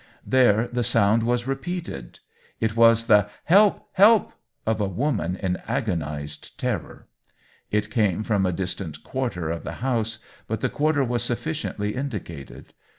There the sound was repeated — it was the " Help ! help !" of a woman in agonized terror. It came from a distant quarter of the house, but the quar ter was sufficiently indicated.